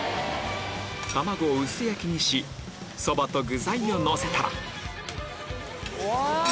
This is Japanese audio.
卵を薄焼きにしそばと具材をのせたらうわ！